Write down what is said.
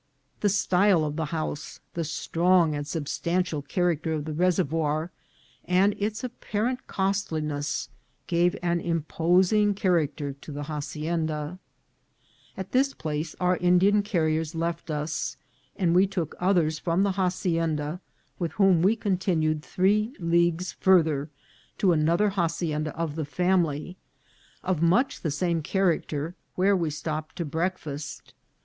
The style of the house, the strong and substantial char acter of the reservoir, and its apparent costliness,, gave an imposing character to the hacienda. A NOBLE HACIENDA. 403 At this place our Indian carriers left us, and we took others from the hacienda, with whom we continued three leagues farther to another hacienda of the family, of much the same character, where we stopped to break fast.